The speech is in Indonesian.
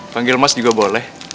panggil mas juga boleh